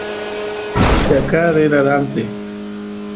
chaqa rera ranteq